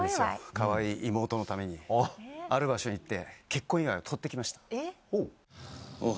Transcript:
かわいい妹のためにある場所に行って結婚祝いを取って来ました。